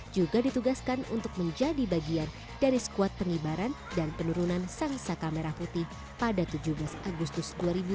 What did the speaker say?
juga ditugaskan untuk menjadi bagian dari skuad pengibaran dan penurunan sangsa kamera putih pada tujuh belas agustus dua ribu delapan belas